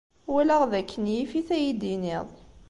Walaɣ d akken yif-it ad yi-d-tiniḍ.